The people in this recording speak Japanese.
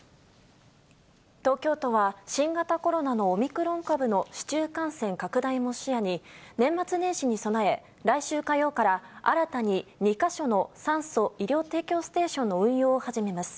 東京都は、新型コロナのオミクロン株の市中感染拡大も視野に、年末年始に備え、来週火曜から新たに２か所の酸素・医療提供ステーションの運用を始めます。